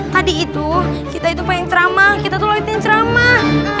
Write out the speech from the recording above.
tadi itu kita itu pengen ceramah kita tuh loiting ceramah